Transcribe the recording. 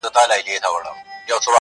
o اور او اوبه نه سره يو ځاى کېږي٫